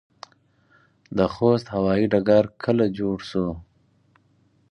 د خوست هوايي ډګر کله جوړ شو؟